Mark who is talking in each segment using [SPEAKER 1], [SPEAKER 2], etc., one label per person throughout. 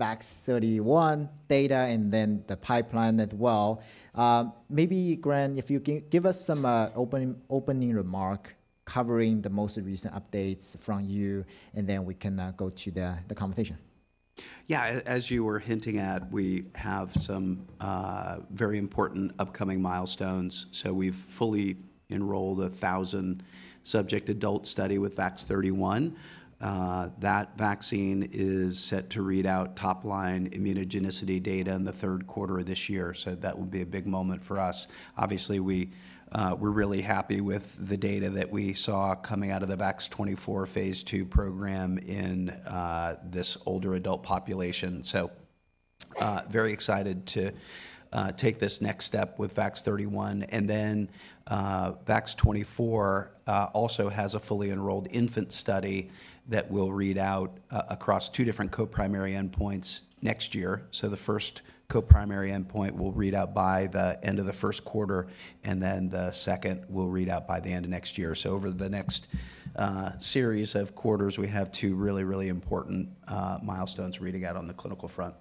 [SPEAKER 1] VAX-31 data and then the pipeline as well. Maybe Grant, if you can give us some opening remark covering the most recent updates from you, and then we can go to the conversation.
[SPEAKER 2] Yeah, as, as you were hinting at, we have some very important upcoming milestones. So we've fully enrolled a 1,000-subject adult study with VAX-31. That vaccine is set to read out top-line immunogenicity data in the third quarter of this year, so that will be a big moment for us. Obviously, we, we're really happy with the data that we saw coming out of the VAX-24 Phase II program in this older adult population. So, very excited to take this next step with VAX-31. And then, VAX-24 also has a fully enrolled infant study that will read out across two different co-primary endpoints next year. So the first co-primary endpoint will read out by the end of the first quarter, and then the second will read out by the end of next year. Over the next series of quarters, we have two really, really important milestones reading out on the clinical front.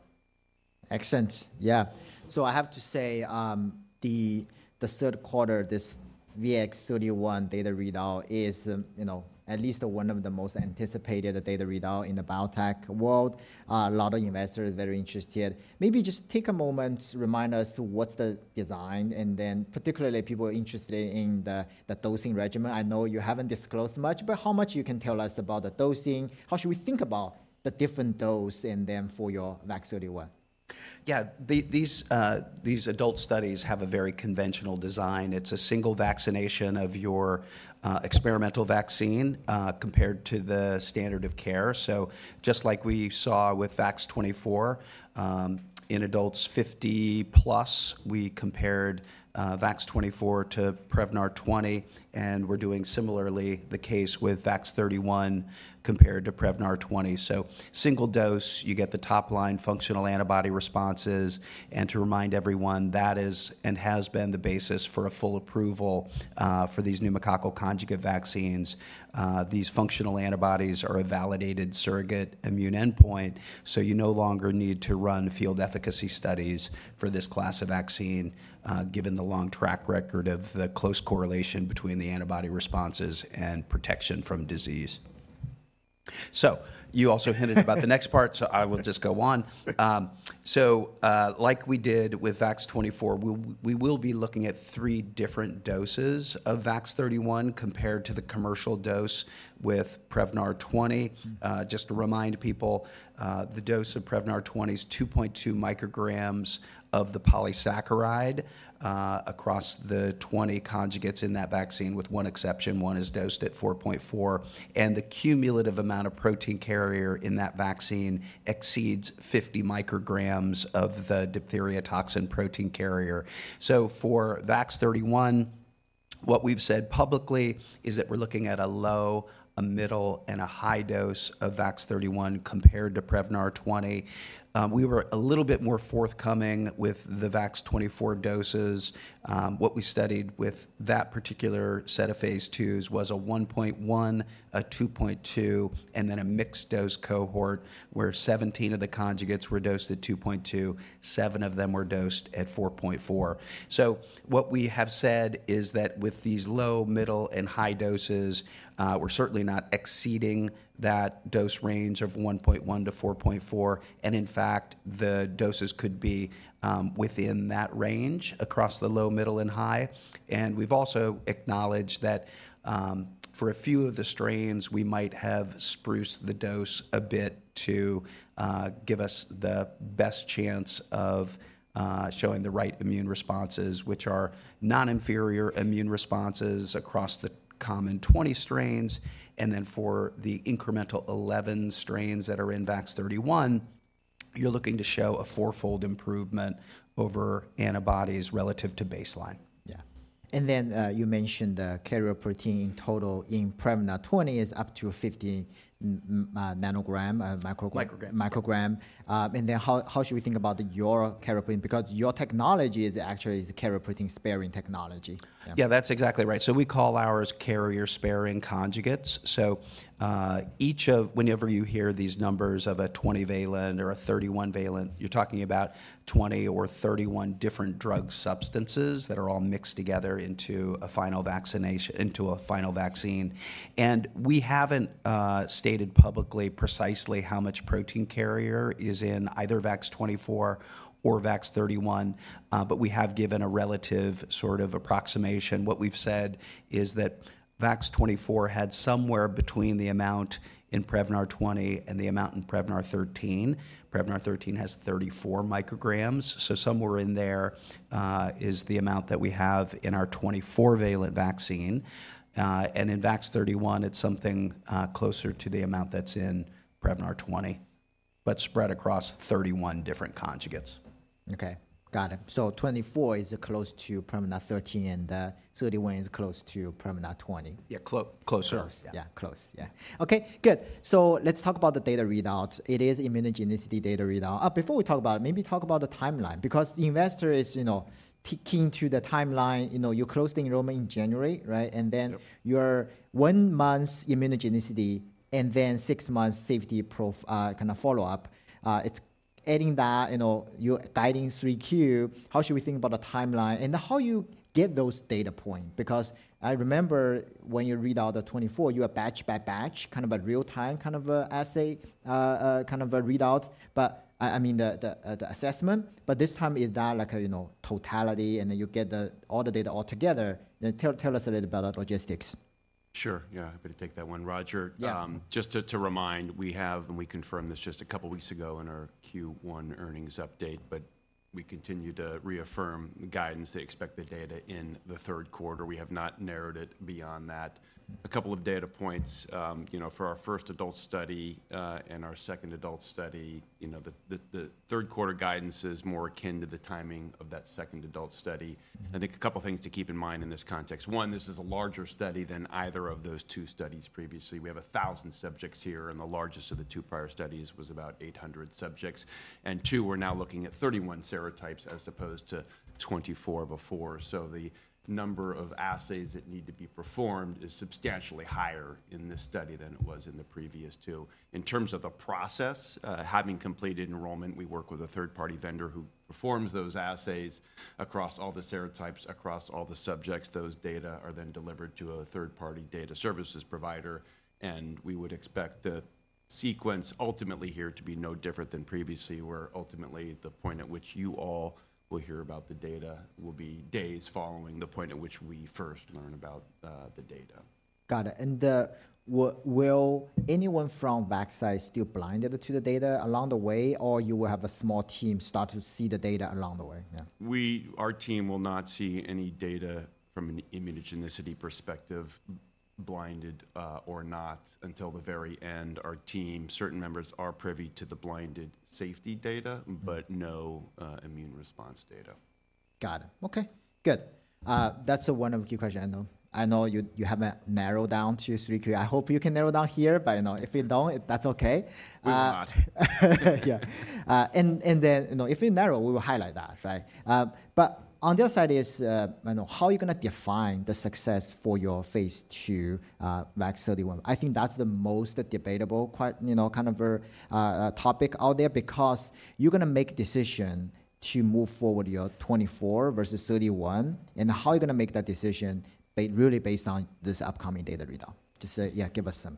[SPEAKER 1] Excellent. Yeah. So I have to say, the third quarter, this VAX-31 data readout is, you know, at least one of the most anticipated data readout in the biotech world. A lot of investors very interested. Maybe just take a moment to remind us what's the design, and then particularly people interested in the dosing regimen. I know you haven't disclosed much, but how much you can tell us about the dosing? How should we think about the different dosing for your VAX-31?
[SPEAKER 2] Yeah. These adult studies have a very conventional design. It's a single vaccination of your experimental vaccine compared to the standard of care. So just like we saw with VAX-24 in adults 50+, we compared VAX-24 to Prevnar 20, and we're doing similarly the case with VAX-31 compared to Prevnar 20. So single dose, you get the top-line functional antibody responses, and to remind everyone, that is and has been the basis for a full approval for these pneumococcal conjugate vaccines. These functional antibodies are a validated surrogate immune endpoint, so you no longer need to run field efficacy studies for this class of vaccine given the long track record of the close correlation between the antibody responses and protection from disease. So you also hinted about the next part, so I will just go on. So, like we did with VAX-24, we will be looking at three different doses of VAX-31 compared to the commercial dose with Prevnar 20. Just to remind people, the dose of Prevnar 20 is 2.2 micrograms of the polysaccharide across the 20 conjugates in that vaccine, with one exception, one is dosed at 4.4. The cumulative amount of protein carrier in that vaccine exceeds 50 micrograms of the diphtheria toxin protein carrier. For VAX-31, what we've said publicly is that we're looking at a low, a middle, and a high dose of VAX-31 compared to Prevnar 20. We were a little bit more forthcoming with the VAX-24 doses. What we studied with that particular set of Phase IIs was a 1.1, a 2.2, and then a mixed-dose cohort, where 17 of the conjugates were dosed at 2.2, seven of them were dosed at 4.4. So what we have said is that with these low, middle, and high doses, we're certainly not exceeding that dose range of 1.1-4.4, and in fact, the doses could be within that range across the low, middle, and high. And we've also acknowledged that for a few of the strains, we might have boosted the dose a bit to give us the best chance of showing the right immune responses, which are non-inferior immune responses across the common 20 strains. And then for the incremental 11 strains that are in VAX-31, you're looking to show a fourfold improvement over antibodies relative to baseline. Yeah.
[SPEAKER 1] And then, you mentioned the carrier protein total in Prevnar 20 is up to 50 nanogram, microgram-
[SPEAKER 2] Microgram...
[SPEAKER 1] microgram. And then how should we think about your carrier protein? Because your technology is actually carrier protein-sparing technology. Yeah.
[SPEAKER 2] Yeah, that's exactly right. So we call ours carrier-sparing conjugates. So, whenever you hear these numbers of a 20-valent or a 31-valent, you're talking about 20 or 31 different drug substances that are all mixed together into a final vaccination- into a final vaccine. And we haven't stated publicly precisely how much protein carrier is in either VAX-24 or VAX-31, but we have given a relative sort of approximation. What we've said is that VAX-24 had somewhere between the amount in Prevnar 20 and the amount in Prevnar 13. Prevnar 13 has 34 micrograms, so somewhere in there is the amount that we have in our 24-valent vaccine. And in VAX-31, it's something closer to the amount that's in Prevnar 20, but spread across 31 different conjugates.
[SPEAKER 1] Okay, got it. So 24 is close to Prevnar 13, and 31 is close to Prevnar 20.
[SPEAKER 2] Yeah, closer.
[SPEAKER 1] Close. Yeah, close. Yeah. Okay, good. So let's talk about the data readouts. It is immunogenicity data readout. Before we talk about it, maybe talk about the timeline, because the investor is, you know, key, key to the timeline. You know, you closed the enrollment in January, right?
[SPEAKER 2] Yep.
[SPEAKER 1] And then your 1-month immunogenicity and then 6 months safety profile kind of follow-up, it's adding that, you know, you're guiding 3Q, how should we think about the timeline, and how you get those data point? Because I remember when you read out the 24, you are batch by batch, kind of a real-time kind of assay kind of a readout. But I mean, the assessment, but this time is that like a, you know, totality, and then you get the all the data all together. Then tell us a little about that logistics.
[SPEAKER 3] Sure. Yeah, happy to take that one, Roger.
[SPEAKER 1] Yeah.
[SPEAKER 3] Just to remind, we have, and we confirmed this just a couple weeks ago in our Q1 earnings update, but we continue to reaffirm the guidance to expect the data in the third quarter. We have not narrowed it beyond that. A couple of data points, you know, for our first adult study, and our second adult study, you know, the third quarter guidance is more akin to the timing of that second adult study. I think a couple things to keep in mind in this context: one, this is a larger study than either of those two studies previously. We have 1,000 subjects here, and the largest of the two prior studies was about 800 subjects. And two, we're now looking at 31 serotypes as opposed to 24 before. The number of assays that need to be performed is substantially-
[SPEAKER 1] Yeah.
[SPEAKER 3] higher in this study than it was in the previous two. In terms of the process, having completed enrollment, we work with a third-party vendor who performs those assays across all the serotypes, across all the subjects. Those data are then delivered to a third-party data services provider, and we would expect the sequence ultimately here to be no different than previously, where ultimately, the point at which you all will hear about the data will be days following the point at which we first learn about the data.
[SPEAKER 1] Got it, and, will anyone from Vaxcyte still blinded to the data along the way, or you will have a small team start to see the data along the way? Yeah.
[SPEAKER 3] Our team will not see any data from an immunogenicity perspective, blinded, or not, until the very end. Our team, certain members are privy to the blinded safety data- but no, immune response data.
[SPEAKER 1] Got it. Okay, good. That's one of the key question I know. I know you, you haven't narrowed down to 3Q. I hope you can narrow down here, but, you know, if you don't, that's okay.
[SPEAKER 3] We will not.
[SPEAKER 1] Yeah. And then, you know, if we narrow, we will highlight that, right? But on the other side is, you know, how are you going to define the success for your Phase II VAX-31? I think that's the most debatable question, you know, kind of, topic out there because you're going to make decision to move forward your 24 versus 31, and how are you going to make that decision really based on this upcoming data readout? Just say... Yeah, give us some.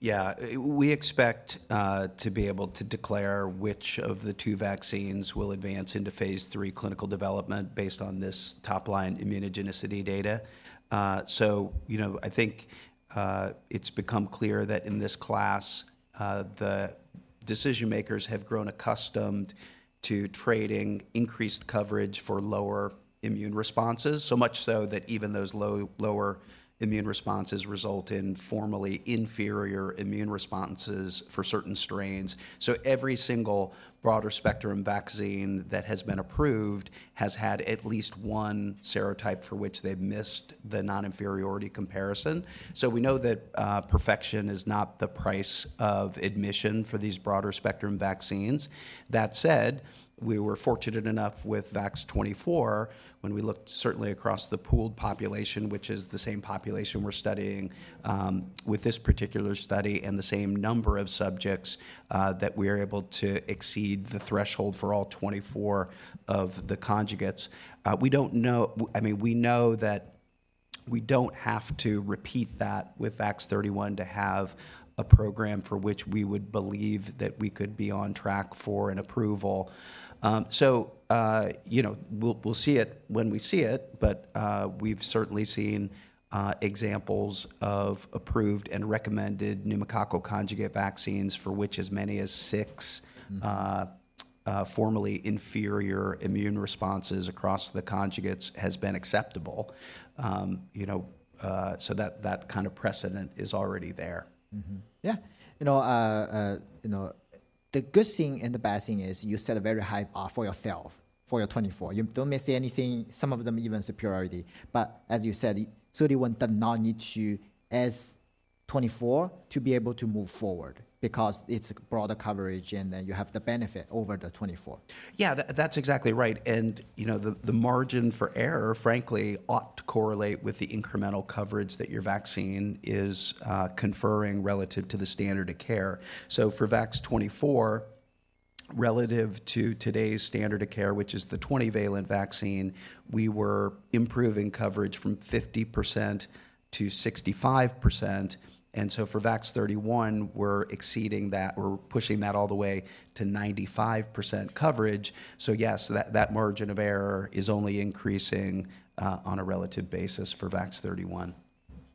[SPEAKER 2] Yeah. We expect to be able to declare which of the two vaccines will advance into Phase III clinical development based on this top-line immunogenicity data. So you know, I think, it's become clear that in this class, the decision-makers have grown accustomed to trading increased coverage for lower immune responses. So much so that even those low, lower immune responses result in formally inferior immune responses for certain strains. So every single broader spectrum vaccine that has been approved has had at least one serotype for which they've missed the non-inferiority comparison. So we know that, perfection is not the price of admission for these broader-spectrum vaccines. That said, we were fortunate enough with VAX-24 when we looked certainly across the pooled population, which is the same population we're studying, with this particular study, and the same number of subjects, that we are able to exceed the threshold for all 24 of the conjugates. We don't know-- I mean, we know that we don't have to repeat that with VAX-31 to have a program for which we would believe that we could be on track for an approval. So, you know, we'll see it when we see it, but, we've certainly seen examples of approved and recommended pneumococcal conjugate vaccines, for which as many as six-... non-inferior immune responses across the conjugates has been acceptable. You know, so that kind of precedent is already there.
[SPEAKER 1] Mm-hmm. Yeah. You know, the good thing and the bad thing is you set a very high bar for yourself, for your 24. You may not see anything, some of them even superiority, but as you said, 31 does not need to as 24 to be able to move forward because it's a broader coverage, and then you have the benefit over the 24.
[SPEAKER 2] Yeah, that, that's exactly right. And, you know, the, the margin for error, frankly, ought to correlate with the incremental coverage that your vaccine is conferring relative to the standard of care. So for VAX-24, relative to today's standard of care, which is the 20-valent vaccine, we were improving coverage from 50%-65%, and so for VAX-31, we're exceeding that. We're pushing that all the way to 95% coverage. So yes, that, that margin of error is only increasing on a relative basis for VAX-31-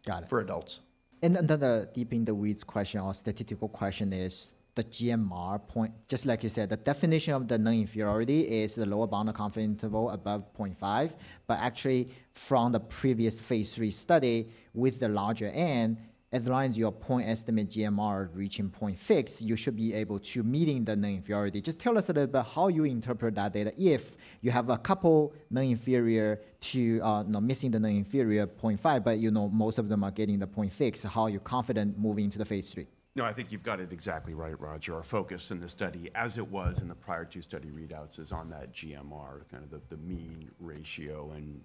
[SPEAKER 1] Got it...
[SPEAKER 2] for adults.
[SPEAKER 1] Another deep in the weeds question or statistical question is the GMR point. Just like you said, the definition of the non-inferiority is the lower bound of confidence interval above 0.5, but actually, from the previous Phase II study with the larger N, as long as your point estimate GMR reaching 0.6, you should be able to meeting the non-inferiority. Just tell us a little about how you interpret that data if you have a couple non-inferior to, not missing the non-inferior 0.5, but you know, most of them are getting the 0.6, how are you confident moving to the Phase II?
[SPEAKER 3] No, I think you've got it exactly right, Roger. Our focus in the study, as it was in the prior two study readouts, is on that GMR, kind of the, the mean ratio, and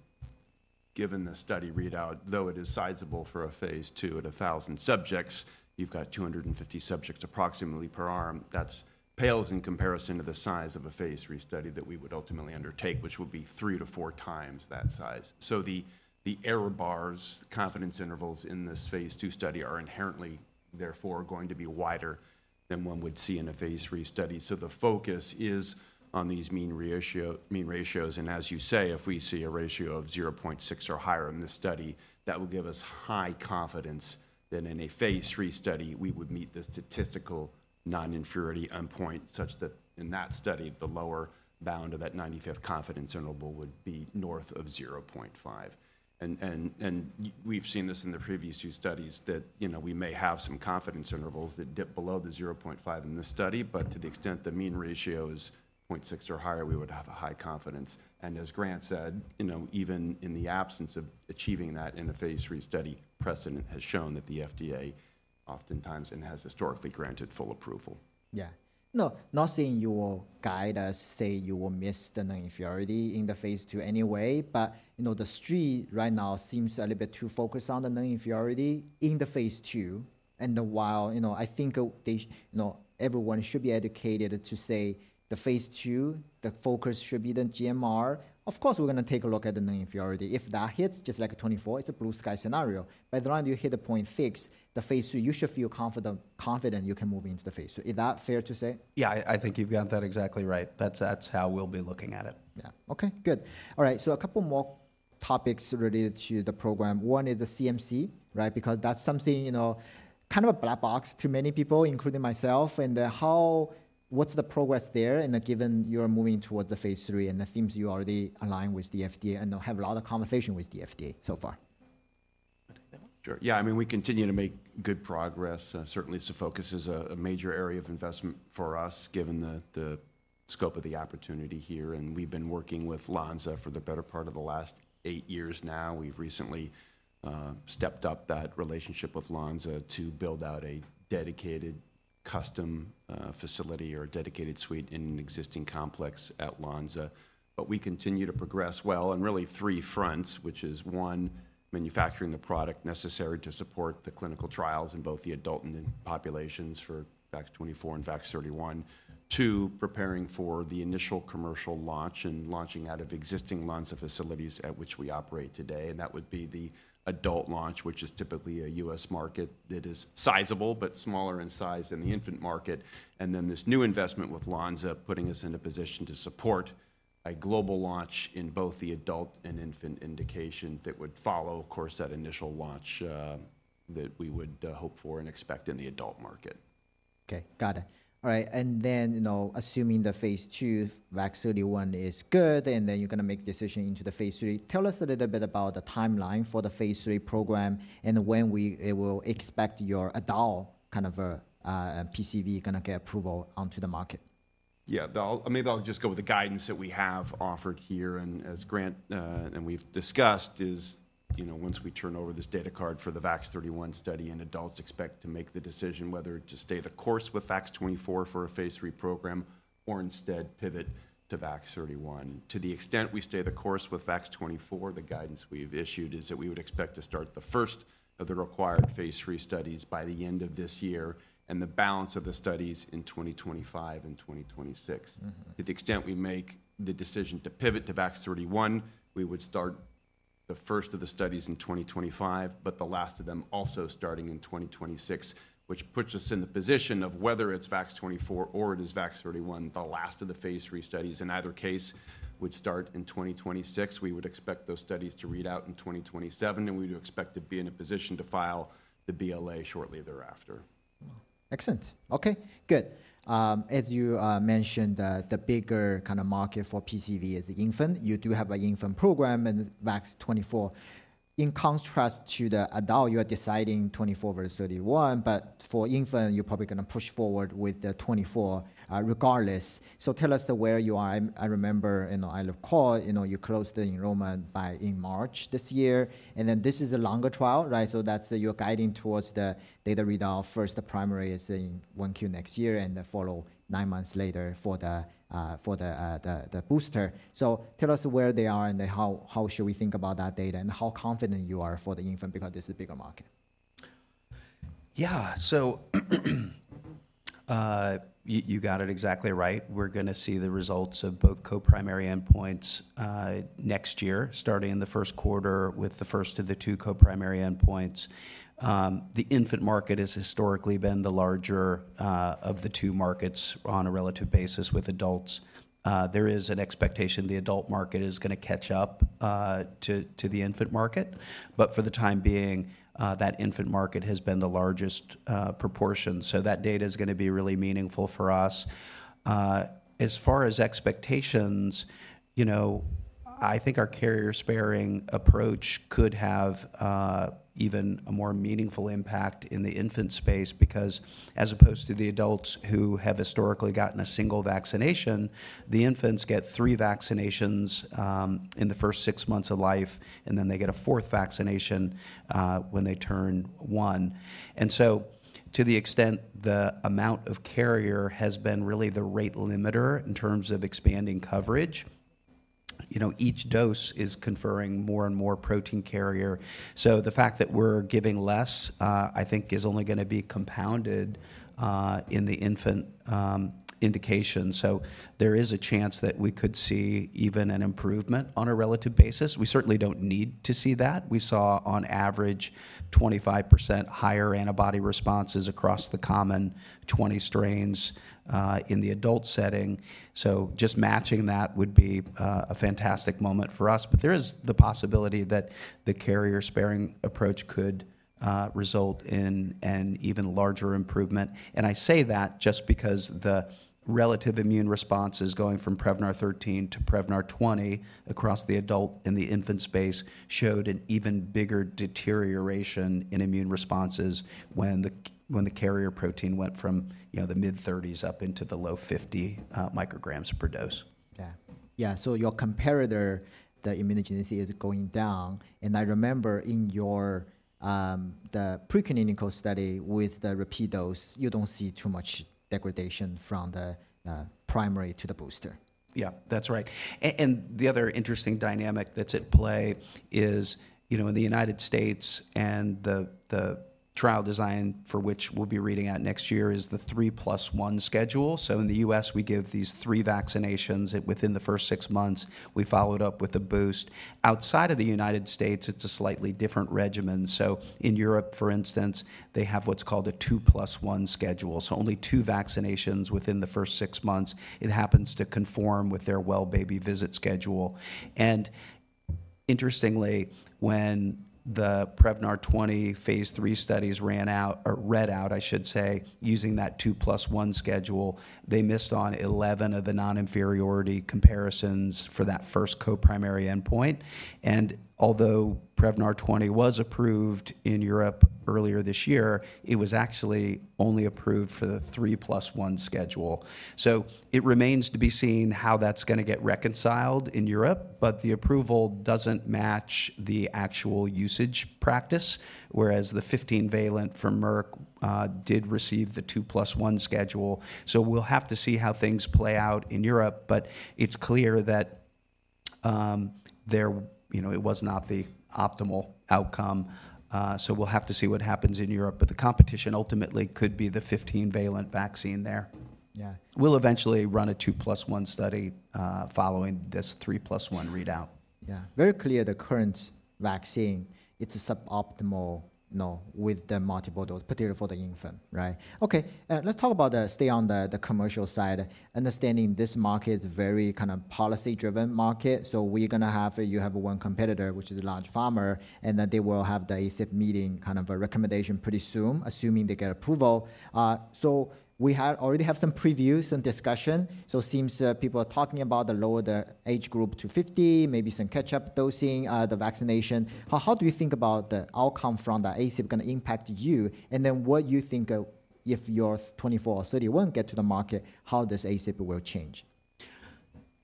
[SPEAKER 3] given the study readout, though it is sizable for a Phase II at 1,000 subjects, you've got 250 subjects approximately per arm. That pales in comparison to the size of a Phase II study that we would ultimately undertake, which would be 3-4 times that size. So the, the error bars, the confidence intervals in this Phase II study are inherently therefore going to be wider than one would see in a Phase II study. So the focus is on these mean ratios, and as you say, if we see a ratio of 0.6 or higher in this study, that will give us high confidence that in a Phase III study, we would meet the statistical non-inferiority endpoint, such that in that study, the lower bound of that 95th confidence interval would be north of 0.5. And we've seen this in the previous 2 studies that, you know, we may have some confidence intervals that dip below the 0.5 in this study, but to the extent the mean ratio is 0.6 or higher, we would have a high confidence. And as Grant said, you know, even in the absence of achieving that in a Phase III study, precedent has shown that the FDA oftentimes, and has historically granted full approval.
[SPEAKER 1] Yeah. No, not saying you will guide us, say you will miss the non-inferiority in the phase 2 anyway, but, you know, the street right now seems a little bit too focused on the non-inferiority in the Phase II. And while, you know, I think they you know, everyone should be educated to say the Phase II, the focus should be the GMR. Of course, we're going to take a look at the non-inferiority. If that hits, just like a 24, it's a blue sky scenario. But as long as you hit the point six, the Phase II, you should feel confident, confident you can move into the Phase II. Is that fairI to say?
[SPEAKER 2] Yeah, I, I think you've got that exactly right. That's, that's how we'll be looking at it.
[SPEAKER 1] Yeah. Okay, good. All right, so a couple more topics related to the program. One is the CMC, right? Because that's something, you know, kind of a black box to many people, including myself, and what's the progress there, and then given you're moving towards the Phase II, and it seems you already aligned with the FDA and have a lot of conversation with the FDA so far?
[SPEAKER 3] Sure. Yeah, I mean, we continue to make good progress. Certainly, CMC is a major area of investment for us, given the scope of the opportunity here, and we've been working with Lonza for the better part of the last eight years now. We've recently stepped up that relationship with Lonza to build out a dedicated custom facility or a dedicated suite in an existing complex at Lonza. But we continue to progress well on really three fronts, which is, one, manufacturing the product necessary to support the clinical trials in both the adult and infant populations for VAX-24 and VAX-31. 2, preparing for the initial commercial launch and launching out of existing Lonza facilities at which we operate today, and that would be the adult launch, which is typically a U.S. market that is sizable, but smaller in size than the infant market. And then this new investment with Lonza, putting us in a position to support a global launch in both the adult and infant indications that would follow, of course, that initial launch, that we would hope for and expect in the adult market.
[SPEAKER 1] Okay, got it. All right, and then, you know, assuming the Phase II VAX-31 is good, and then you're going to make decision into the Phase III. Tell us a little bit about the timeline for the Phase II program, and when we will expect your adult kind of PCV gonna get approval onto the market?
[SPEAKER 3] Yeah, maybe I'll just go with the guidance that we have offered here, and as Grant and we've discussed, is, you know, once we turn over this data card for the VAX-31 study in adults, expect to make the decision whether to stay the course with VAX-24 for a Phase III program or instead pivot to VAX-31. To the extent we stay the course with VAX-24, the guidance we've issued is that we would expect to start the first of the required Phase III studies by the end of this year, and the balance of the studies in 2025 and 2026. To the extent we make the decision to pivot to VAX-31, we would start the first of the studies in 2025, but the last of them also starting in 2026, which puts us in the position of whether it's VAX-24 or it is VAX-31, the last of the Phase III studies in either case, would start in 2026. We would expect those studies to read out in 2027, and we would expect to be in a position to file the BLA shortly thereafter.
[SPEAKER 1] Excellent. Okay, good. As you mentioned, the bigger kind of market for PCV is the infant. You do have an infant program in VAX-24. In contrast to the adult, you are deciding 24 versus 31, but for infant, you're probably going to push forward with the 24, regardless. So tell us where you are. I remember in the timeline, you know, you closed the enrollment by in March this year, and then this is a longer trial, right? So that's, you're guiding towards the data readout first, the primary is in 1Q next year, and the follow nine months later for the, for the, the booster. Tell us where they are and then how, how should we think about that data, and how confident you are for the infant, because this is a bigger market?
[SPEAKER 2] Yeah. So, you got it exactly right. We're going to see the results of both co-primary endpoints next year, starting in the first quarter with the first of the two co-primary endpoints. The infant market has historically been the larger of the two markets on a relative basis with adults. There is an expectation the adult market is going to catch up to the infant market, but for the time being, that infant market has been the largest proportion, so that data is going to be really meaningful for us. As far as expectations, you know, I think our carrier-sparing approach could have even a more meaningful impact in the infant space because as opposed to the adults who have historically gotten a single vaccination, the infants get 3 vaccinations in the first 6 months of life, and then they get a 4th vaccination when they turn 1. So to the extent the amount of carrier has been really the rate limiter in terms of expanding coverage, you know, each dose is conferring more and more protein carrier. So the fact that we're giving less, I think is only going to be compounded in the infant indication. So there is a chance that we could see even an improvement on a relative basis. We certainly don't need to see that. We saw on average, 25% higher antibody responses across the common 20 strains in the adult setting. So just matching that would be a fantastic moment for us. But there is the possibility that the carrier-sparing approach could result in an even larger improvement. And I say that just because the relative immune responses going from Prevnar 13 to Prevnar 20 across the adult and the infant space showed an even bigger deterioration in immune responses when the carrier protein went from, you know, the mid-30s up into the low 50 micrograms per dose.
[SPEAKER 1] Yeah. Yeah, so your comparator, the immunogenicity, is going down, and I remember in your, the preclinical study with the repeat dose, you don't see too much degradation from the, primary to the booster.
[SPEAKER 2] Yeah, that's right. And the other interesting dynamic that's at play is, you know, in the United States and the trial design for which we'll be reading out next year, is the 3+1 schedule. So in the U.S., we give these 3 vaccinations, and within the first six months, we follow it up with a boost. Outside of the United States, it's a slightly different regimen. So in Europe, for instance, they have what's called a 2+1 schedule, so only 2 vaccinations within the first six months. It happens to conform with their well-baby visit schedule. And interestingly, when the Prevnar 20 Phase III studies ran out or read out, I should say, using that 2+1 schedule, they missed on 11 of the non-inferiority comparisons for that first co-primary endpoint. Although Prevnar 20 was approved in Europe earlier this year, it was actually only approved for the 3+1 schedule. So it remains to be seen how that's going to get reconciled in Europe, but the approval doesn't match the actual usage practice, whereas the 15-valent from Merck did receive the 2+1 schedule. So we'll have to see how things play out in Europe, but it's clear that, you know, it was not the optimal outcome. So we'll have to see what happens in Europe, but the competition ultimately could be the 15-valent vaccine there.
[SPEAKER 1] Yeah.
[SPEAKER 2] We'll eventually run a 2+1 study, following this 3+1 readout.
[SPEAKER 1] Yeah. Very clear, the current vaccine, it's a suboptimal, you know, with the multiple dose, particularly for the infant, right? Okay, let's talk about staying on the commercial side, understanding this market is very kind of policy-driven market. So we're going to have, you have one competitor, which is a large pharma, and that they will have the ACIP meeting, kind of a recommendation pretty soon, assuming they get approval. So we already have some previews and discussion, so it seems, people are talking about lowering the age group to 50, maybe some catch-up dosing, the vaccination. How do you think about the outcome from the ACIP going to impact you? And then what you think of if your 24 or 31 get to the market, how this ACIP will change?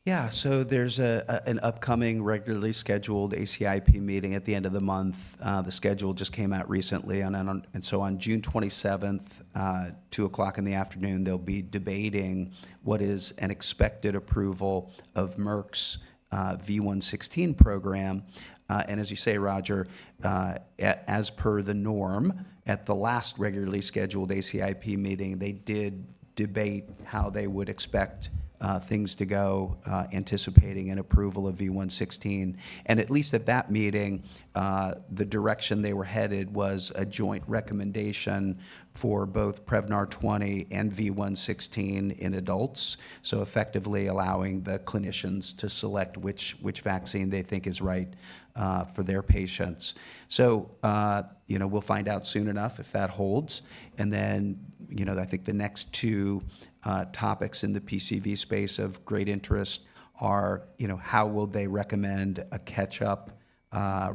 [SPEAKER 2] Yeah. So there's an upcoming regularly scheduled ACIP meeting at the end of the month. The schedule just came out recently, and so on June 27th, 2:00 P.M., they'll be debating what is an expected approval of Merck's V116 program. And as you say, Roger, as per the norm, at the last regularly scheduled ACIP meeting, they did debate how they would expect things to go, anticipating an approval of V116. And at least at that meeting, the direction they were headed was a joint recommendation for both Prevnar 20 and V116 in adults, so effectively allowing the clinicians to select which vaccine they think is right for their patients. So, you know, we'll find out soon enough if that holds. And then, you know, I think the next two topics in the PCV space of great interest are, you know, how will they recommend a catch-up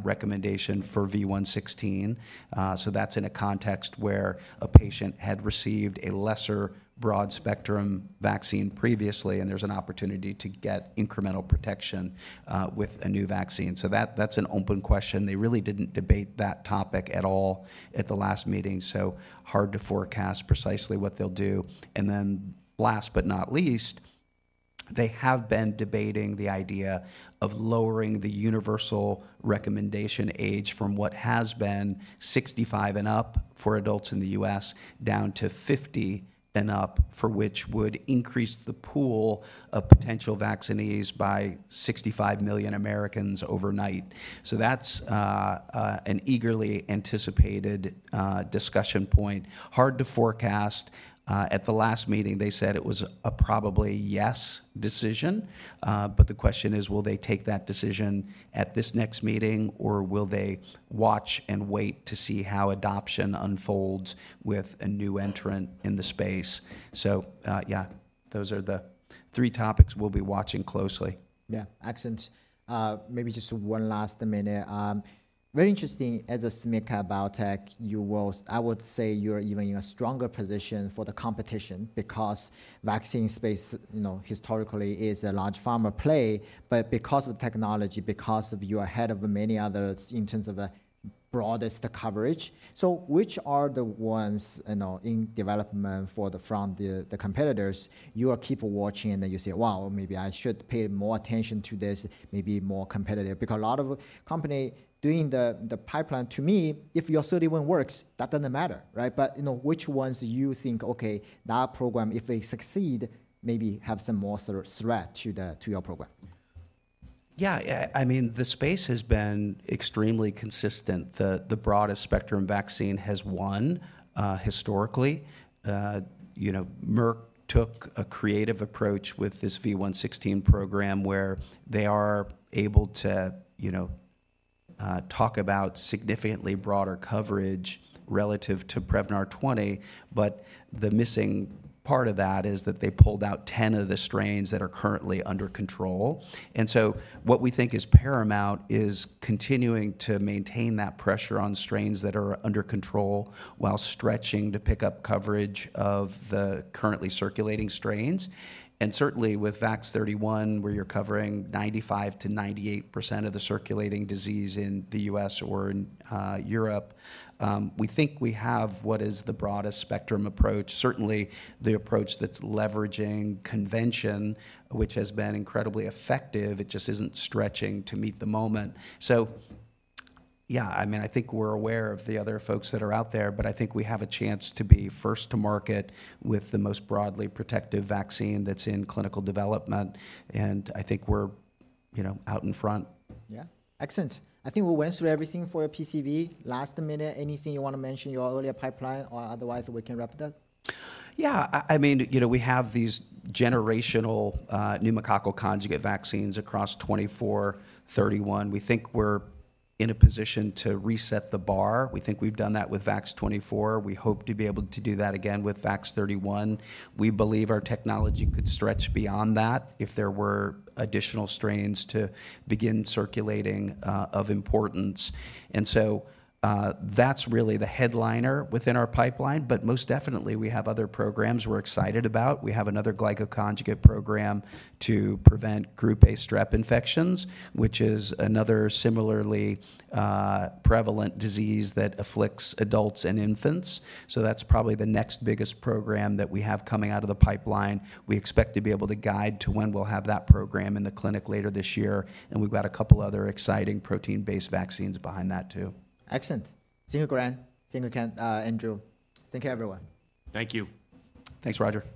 [SPEAKER 2] recommendation for V116? So that's in a context where a patient had received a lesser broad-spectrum vaccine previously, and there's an opportunity to get incremental protection with a new vaccine. So that, that's an open question. They really didn't debate that topic at all at the last meeting, so hard to forecast precisely what they'll do. And then last but not least, they have been debating the idea of lowering the universal recommendation age from what has been 65 and up for adults in the U.S., down to 50 and up, for which would increase the pool of potential vaccinees by 65 million Americans overnight. So that's an eagerly anticipated discussion point. Hard to forecast. At the last meeting, they said it was a probably yes decision, but the question is, will they take that decision at this next meeting, or will they watch and wait to see how adoption unfolds with a new entrant in the space? So, yeah, those are the three topics we'll be watching closely.
[SPEAKER 1] Yeah, excellent. Maybe just one last minute. Very interesting as a small biotech, you will—I would say you're even in a stronger position for the competition because vaccine space, you know, historically is a large pharma play, but because of technology, because of you are ahead of many others in terms of the broadest coverage. So which are the ones, you know, in development for the, from the, the competitors, you are keep watching, and then you say, "Wow, maybe I should pay more attention to this, maybe more competitive?" Because a lot of company doing the, the pipeline, to me, if your 31 works, that doesn't matter, right? But, you know, which ones you think, "Okay, that program, if they succeed, maybe have some more sort of threat to the, to your program?
[SPEAKER 2] Yeah, yeah, I mean, the space has been extremely consistent. The broadest-spectrum vaccine has won historically. You know, Merck took a creative approach with this V116 program, where they are able to, you know, talk about significantly broader coverage relative to Prevnar 20. But the missing part of that is that they pulled out 10 of the strains that are currently under control. And so what we think is paramount is continuing to maintain that pressure on strains that are under control while stretching to pick up coverage of the currently circulating strains. And certainly with VAX-31, where you're covering 95%-98% of the circulating disease in the U.S. or in Europe, we think we have what is the broadest-spectrum approach. Certainly, the approach that's leveraging convention, which has been incredibly effective, it just isn't stretching to meet the moment. So yeah, I mean, I think we're aware of the other folks that are out there, but I think we have a chance to be first to market with the most broadly protective vaccine that's in clinical development, and I think we're, you know, out in front.
[SPEAKER 1] Yeah. Excellent. I think we went through everything for PCV. Last minute, anything you want to mention your earlier pipeline, or otherwise, we can wrap it up?
[SPEAKER 2] Yeah, I mean, you know, we have these generational pneumococcal conjugate vaccines across 24, 31. We think we're in a position to reset the bar. We think we've done that with VAX-24. We hope to be able to do that again with VAX-31. We believe our technology could stretch beyond that if there were additional strains to begin circulating of importance. And so, that's really the headliner within our pipeline, but most definitely, we have other programs we're excited about. We have another glycoconjugate program to prevent Group A strep infections, which is another similarly prevalent disease that afflicts adults and infants. So that's probably the next biggest program that we have coming out of the pipeline. We expect to be able to guide to when we'll have that program in the clinic later this year, and we've got a couple other exciting protein-based vaccines behind that, too.
[SPEAKER 1] Excellent! Thank you, Grant. Thank you, Ken, and Drew. Thank you, everyone.
[SPEAKER 3] Thank you.
[SPEAKER 4] Thanks, Roger.